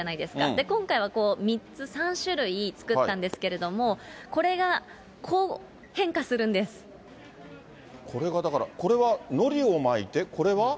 で、今回は３つ、３種類作ったんですけれども、これが、だから、これは、のりを巻いて、これは？